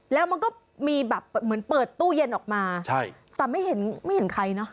แล้วมันก็มีแบบเหมือนเปิดตู้เย็นออกมาใช่แต่ไม่เห็นไม่เห็นใครเนอะ